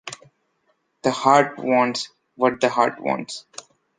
The heart wants, what the heart wants.